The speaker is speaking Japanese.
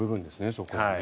そこはね。